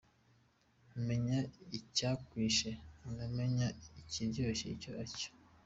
Ntumenya icyakwishe ntunamenya ikiryoshye icyo ari cyo.